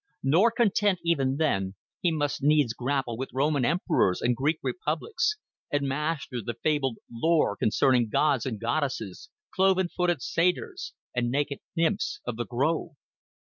Nor content even then, he must needs grapple with Roman emperors and Greek republics, and master the fabled lore concerning gods and goddesses, cloven footed satyrs, and naked nymphs of the grove.